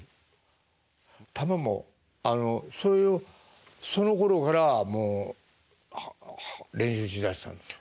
球もあのそういうそのころからもう練習しだしたんですか？